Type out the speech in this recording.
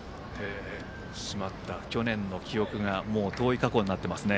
しまった去年の記憶が遠い過去になっています。